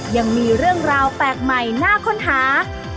ยังมีเรื่องราวแปลกใหม่น่าค้นหา